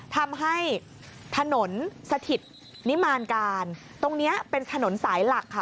ทำให้ถนนสถิตนิมานการตรงนี้เป็นถนนสายหลักค่ะ